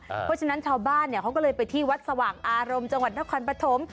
เพราะฉะนั้นชาวบ้านเขาก็เลยไปที่วัดสว่างอารมณ์จังหวัดนครปฐม